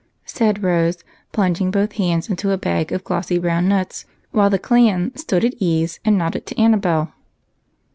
said Rose, plung ing both hands into a bag of glossy brown nuts, while the clan " stood at ease " and nodded to Annabel.